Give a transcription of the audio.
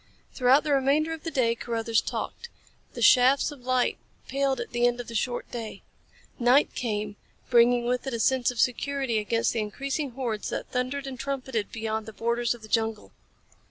Throughout the remainder of the day Carruthers talked. The shafts of light paled at the end of the short day. Night came, bringing with it a sense of security against the increasing hordes that thundered and trumpeted beyond the borders of the jungle.